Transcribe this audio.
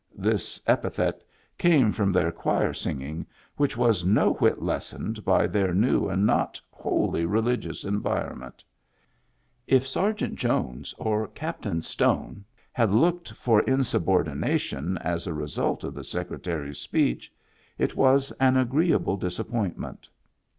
This epithet came from their choir singing, which was no whit lessened by their new and not wholly religious environment. If Sergeant Jones or Captain Stone had looked for insubordination as a result of the Secretary's speech, it was aix agreeable disappointment.